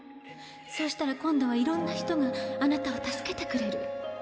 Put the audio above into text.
そうしたら今度はいろんな人があなたを助けてくれる。